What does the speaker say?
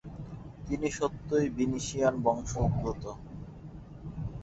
তিনি সত্যই ভিনিসিয়ান বংশোদ্ভূত।